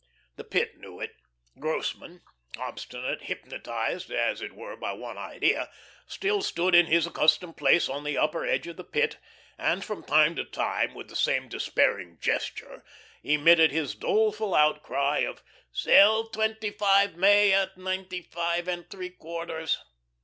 The Pit knew it. Grossmann, obstinate, hypnotized as it were by one idea, still stood in his accustomed place on the upper edge of the Pit, and from time to time, with the same despairing gesture, emitted his doleful outcry of "'Sell twenty five May at ninety five and three quarters."